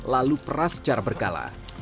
lalu peras secara berkala